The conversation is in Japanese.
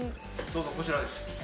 どうぞこちらです。